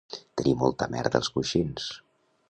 Tenir molta merda als coixins